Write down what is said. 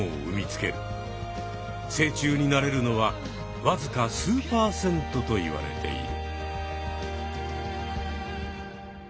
成虫になれるのはわずか数％といわれている。